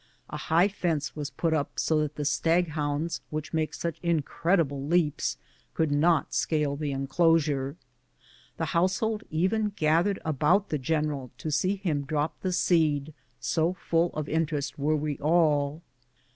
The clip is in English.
A high fence was put up so that the stag hounds, which make such incredible leaps, could not scale the enclosure. The household even gathered about the general to see him drop tlie seed, so full of interest were we all.